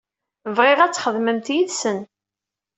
Bɣiɣ ad txedmemt yid-sen.